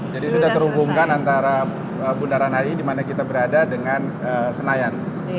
jadi sudah terhubungkan antara bunda ranai di mana kita berada dengan senayan